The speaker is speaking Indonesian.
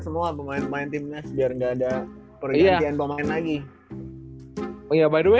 semua pemain pemain timnya biar nggak ada